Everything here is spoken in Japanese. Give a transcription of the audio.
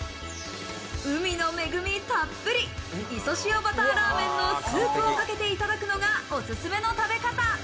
海の恵みたっぷり、磯塩バターラーメンのスープをかけていただくのがおすすめの食べ方。